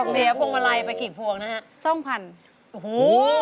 เสียพวงมาลัยไปกี่พวงนะฮะ